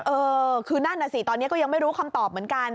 เออคือนั่นน่ะสิตอนนี้ก็ยังไม่รู้คำตอบเหมือนกัน